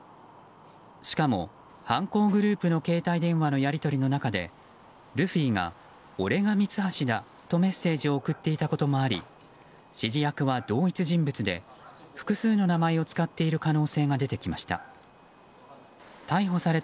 しかも犯行グループの携帯電話のやり取りの中でルフィが、俺がミツハシだとメッセージを送っていたこともあり指示役は同一人物で複数の名前を使っている可能性が出てきました。